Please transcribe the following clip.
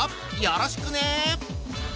よろしくね！